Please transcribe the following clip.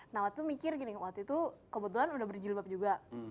nah waktu mikir gini waktu itu kebetulan udah berjilbab juga